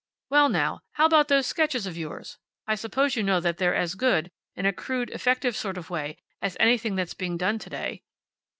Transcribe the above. Well now, how about those sketches of yours? I suppose you know that they're as good, in a crude, effective sort of way, as anything that's being done to day."